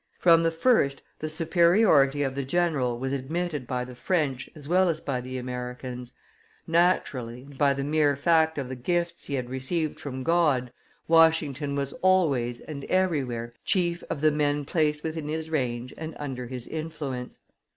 From the first the superiority of the general was admitted by the French as well as by the Americans; naturally, and by the mere fact of the gifts he had received from God, Washington was always and everywhere chief of the men placed within his range and under his influence.